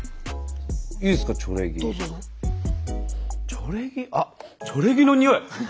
チョレギあっチョレギのにおい！